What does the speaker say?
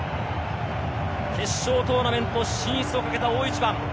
決勝トーナメント進出を懸けた大一番。